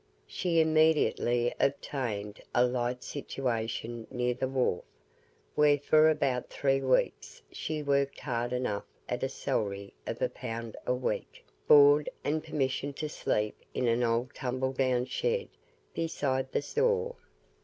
She immediately obtained a light situation near the wharf, where for about three weeks she worked hard enough at a salary of a pound a week, board, and permission to sleep in an old tumbledown shed beside the store.